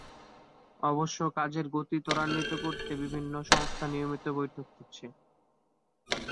অবশ্য কাজের গতি ত্বরান্বিত করতে বিভিন্ন সংস্থা নিয়মিত বৈঠক করছে।